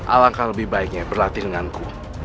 alangkah lebih baiknya berlatih denganku